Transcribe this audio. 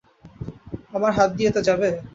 আমার হাত দিয়ে তো যাবে।